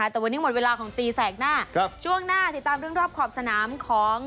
แต่วันนี้หมดเวลาของตีแสกหน้าช่วงหน้าติดตามเรื่องรอบขอบสนามของ